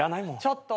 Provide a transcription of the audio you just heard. ちょっと。